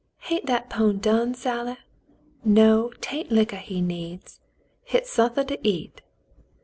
" Hain't that pone done, Sally .? No, 'tain't liquor he needs ; hit's suthin' to eat."